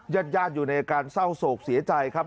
ญาติญาติอยู่ในอาการเศร้าโศกเสียใจครับ